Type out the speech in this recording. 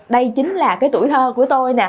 đây chính là cái tuổi thơ của tôi nè